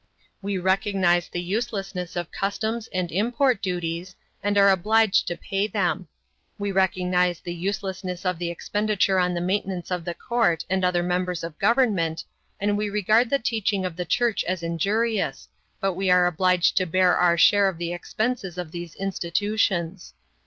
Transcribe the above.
We recognize the uselessness of customs and import duties, and are obliged to pay them. We recognize the uselessness of the expenditure on the maintenance of the Court and other members of Government, and we regard the teaching of the Church as injurious, but we are obliged to bear our share of the expenses of these institutions.